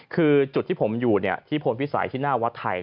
คือจุดที่ผมอยู่ที่พลพิสัยที่หน้าวัดไทย